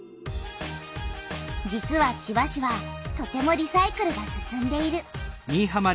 実は千葉市はとてもリサイクルが進んでいる。